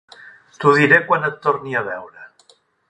T"ho diré quan et torni a veure.